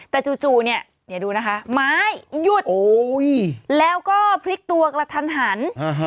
แต่จู่เนี่ยดูนะคะไม้หยุดแล้วก็พลิกตัวกระทันหัน